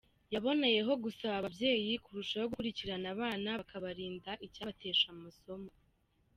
Yaboneyeho gusaba ababyeyi kurushaho gukurikirana abana bakabarinda icyabatesha amasomo.